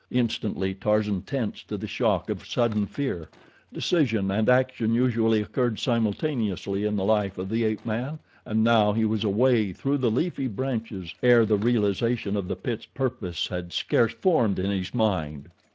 Instantly Tarzan tensed to the shock of a sudden fear. Decision and action usually occurred simultaneously in the life of the ape man, and now he was away through the leafy branches ere the realization of the pit's purpose had scarce formed in his mind.